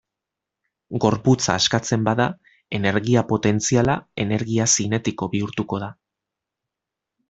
Gorputza askatzen bada, energia potentziala energia zinetiko bihurtuko da.